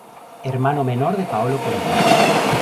Hermano menor de Paolo Conte.